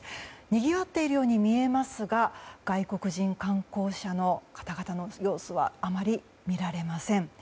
にぎわっているように見えますが外国人観光者の方々の様子はあまり見られません。